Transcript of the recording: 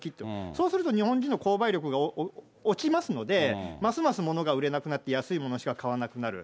そうすると日本人の購買力が落ちますので、ますますものが売れなくなって安いものしか買わなくなる。